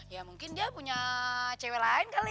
ya mungkin dia punya cewek lain kali ya